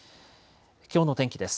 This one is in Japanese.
きょうの天気です。